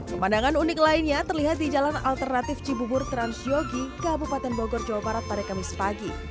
pemandangan unik lainnya terlihat di jalan alternatif cibubur transyogi kabupaten bogor jawa barat pada kamis pagi